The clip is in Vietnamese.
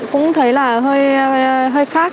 cũng thấy là hơi khác